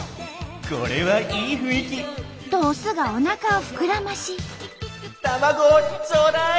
「これはいい雰囲気！」とオスがおなかを膨らまし「卵をちょうだい！！」。